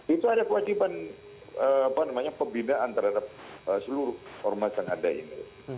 itu ada kewajiban pembinaan terhadap seluruh ormas yang ada ini